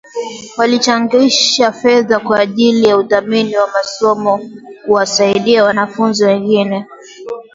Walichangisha fedha kwa ajili ya udhamini wa masomo kuwasaidia wanafunzi wengine